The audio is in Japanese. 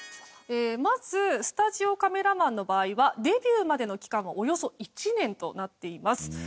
まずスタジオカメラマンの場合はデビューまでの期間はおよそ１年となっています。